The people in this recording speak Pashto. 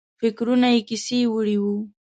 فکرونه یې کیسې وړي وو.